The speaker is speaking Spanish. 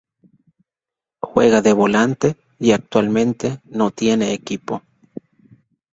Juega de volante y actualmente no tiene equipo.